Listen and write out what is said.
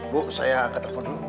bu saya ke telepon ke tempat ini ya